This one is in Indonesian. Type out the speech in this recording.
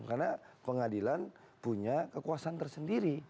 karena pengadilan punya kekuasaan tersendiri